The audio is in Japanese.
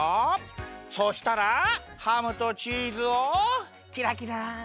そしたらハムとチーズをキラキラ！